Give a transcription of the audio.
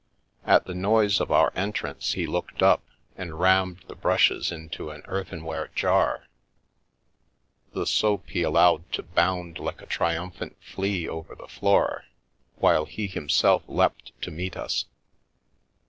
At the noise of our entrance he looked up, and rammed the brushes into an earthen ~~a Abroad ware jar, the soap he allowed to bound like a triumphant flea over the floor, while he himself leapt to meet us.